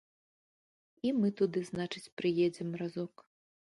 І мы туды, значыць, прыедзем разок.